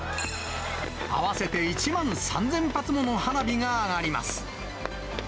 合わせて１万３０００発もの花火が上がります。